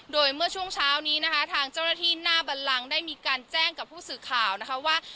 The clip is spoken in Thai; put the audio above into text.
โดยเมื่อช่วงเช้านี้นะคะทางเจ้าหน้าที่หน้าบันลังได้มีการแจ้งกับผู้สื่อข่าวนะคะว่า